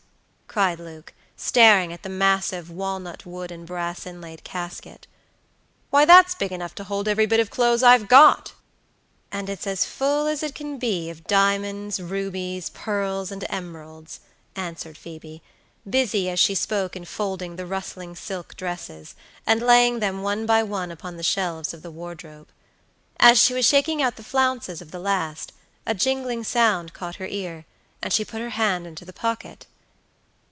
cried Luke, staring at the massive walnut wood and brass inlaid casket. "Why, that's big enough to hold every bit of clothes I've got!" "And it's as full as it can be of diamonds, rubies, pearls and emeralds," answered Phoebe, busy as she spoke in folding the rustling silk dresses, and laying them one by one upon the shelves of the wardrobe. As she was shaking out the flounces of the last, a jingling sound caught her ear, and she put her hand into the pocket.